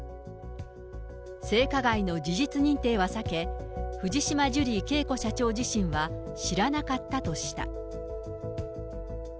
性加害の事実認定は避け、藤島ジュリー景子社長自身は知らなかったとした。